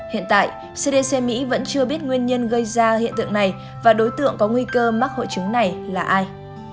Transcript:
hiện tại cdc mỹ vẫn chưa biết nguyên nhân gây ra hiện tượng này và đối tượng có nguy cơ mắc hội chứng này là ai